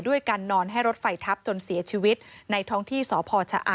การนอนให้รถไฟทับจนเสียชีวิตในท้องที่สพชะอะ